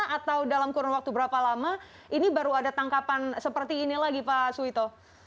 atau dalam kurun waktu berapa lama ini baru ada tangkapan seperti ini lagi pak suwito